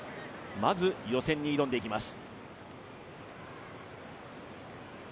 まず予選に挑んでいきます。